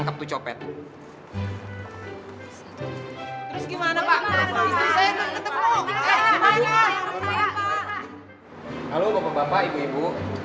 halo bapak bapak ibu ibu